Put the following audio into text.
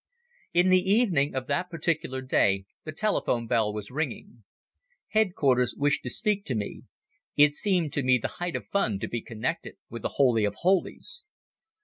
In the evening of that particular day the telephone bell was ringing. Headquarters wished to speak to me. It seemed to me the height of fun to be connected with the holy of holies.